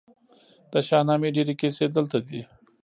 د شاهنامې ډیرې کیسې دلته دي